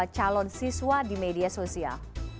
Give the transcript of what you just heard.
calon siswa di media sosial